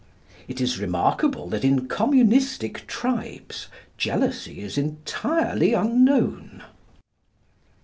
It is remarkable that in communistic tribes jealousy is entirely unknown.